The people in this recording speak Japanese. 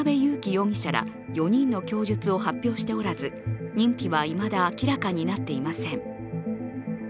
容疑者ら４人の供述を発表しておらず、認否はいまだ明らかになっていません。